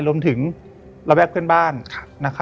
รวมถึงระแวกเพื่อนบ้าน